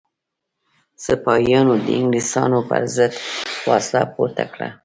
سپاهیانو د انګلیسانو پر ضد وسله پورته کړه.